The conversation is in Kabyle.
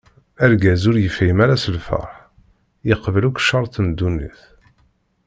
Argaz ur yefhim ara seg lferḥ yeqbel akk ccerṭ n dunnit.